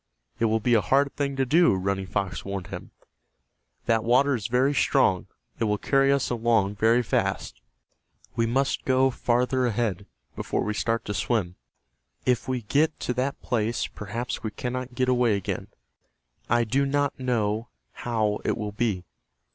"It will be a hard thing to do," Running Fox warned him. "That water is very strong. It will carry us along very fast. We must go farther ahead, before we start to swim. If we get to that place perhaps we cannot get away again. I do not know how it will be.